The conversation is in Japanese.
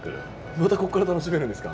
またこっから楽しめるんですか？